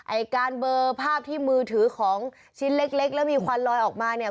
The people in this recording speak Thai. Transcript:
ไอ้การเบอร์ภาพที่มือถือของชิ้นเล็กแล้วมีควันลอยออกมาเนี่ย